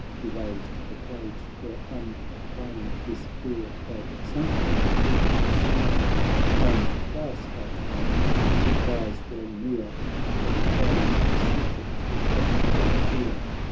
He raised the page, where on the plain His fear had sunk him with the slain : And twice, that morn, surprise well near Betrayed the secret kept by fear.